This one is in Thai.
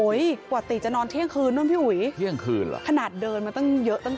กว่าตีจะนอนเที่ยงคืนนู่นพี่อุ๋ยเที่ยงคืนเหรอขนาดเดินมาตั้งเยอะตั้ง